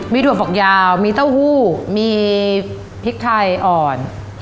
มีถั่วฝักยาวมีเต้าหู้มีพริกไทยอ่อน